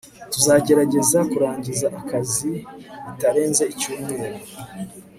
tuzagerageza kurangiza akazi bitarenze icyumweru